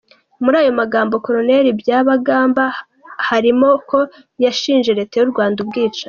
Muri ayo magambo, Col Byabagamba harimo ko yashinje leta y’u Rwanda ubwicanyi.